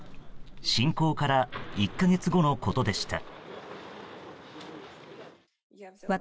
侵攻から１か月後のことでした。